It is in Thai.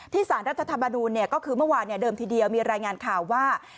สารรัฐธรรมนูลก็คือเมื่อวานเดิมทีเดียวมีรายงานข่าวว่า